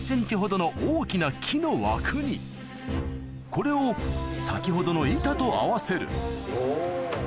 これを先ほどの板と合わせるおぉ。